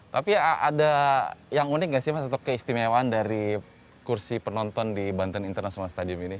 tapi ada yang unik nggak sih mas atau keistimewaan dari kursi penonton di banten international stadium ini